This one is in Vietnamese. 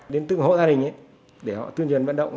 đến tương hội gia đình để họ tuyên truyền vận động